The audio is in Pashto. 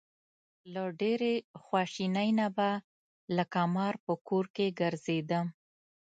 له ډېرې خواشینۍ نه به لکه مار په کور کې ګرځېدم.